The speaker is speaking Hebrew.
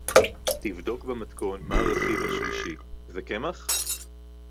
תבדוק במתכון מה הרכיב השלישי? זה קמח?